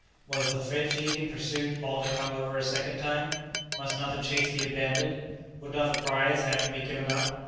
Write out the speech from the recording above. Was the fatiguing pursuit all to come over a second time? Must not the chase be abandoned? Would not the prize have to be given up?